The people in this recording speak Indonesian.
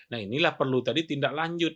nah inilah perlu tadi tindak lanjut